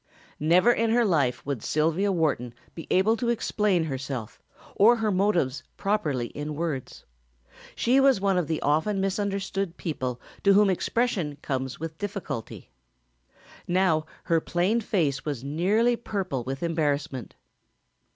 Never in her life would Sylvia Wharton be able to explain herself or her motives properly in words. She was one of the often misunderstood people to whom expression comes with difficulty. Now her plain face was nearly purple with embarrassment.